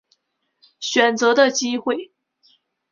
选择的机会